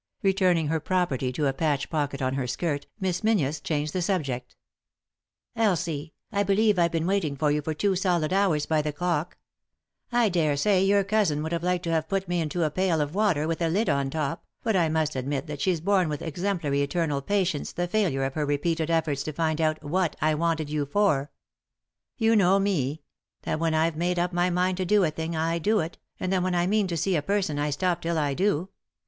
Returning her property to a patch pocket on her skirt, Miss Menzies changed the sub jeer, "Elsie, I believe I've been waiting for you for two solid hours by the clock. I daresay your cousin 3i 9 iii^d by Google THE INTERRUPTED KISS would have liked to have put me into a pail of water with a lid on top, but I must admit that she's borne with exemplary eternal patience the failure of her repeated efforts to find out what I wanted you for. You know me ; that when I've made up my mind to do a thing I do it, and that when I mean to see a person 1 stop till I do.